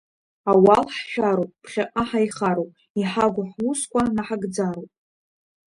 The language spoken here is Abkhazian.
Ауал ҳшәароуп, ԥхьаҟа ҳаихароуп, иҳагу ҳусқәа наҳагӡароуп.